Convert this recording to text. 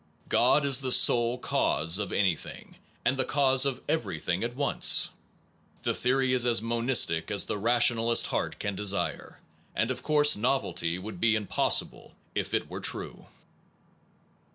God is the sole cause of anything, and the cause of everything at once. The theory is as monistic as the rationalist heart can desire, and of course novelty would be impossible if it were true.